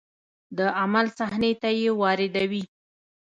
د عمل صحنې ته یې واردوي.